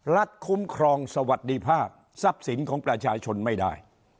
คุ้มครองสวัสดิภาพทรัพย์สินของประชาชนไม่ได้